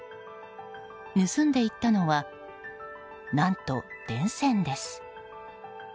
盗んでいったのは何と、電線です。